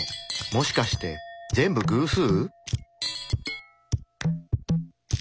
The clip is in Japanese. もしかして全部偶数？